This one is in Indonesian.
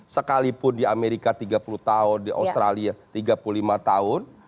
sekalipun di amerika tiga puluh tahun di australia tiga puluh lima tahun